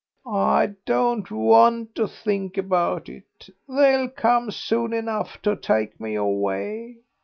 "I don't want to think about it. They'll come soon enough to take me away.